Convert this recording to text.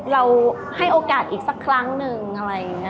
เราให้โอกาสอีกสักครั้งหนึ่งอะไรอย่างนี้